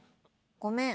「ごめん」。